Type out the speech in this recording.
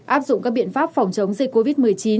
áp dụng các biện pháp phòng chống dịch covid một mươi chín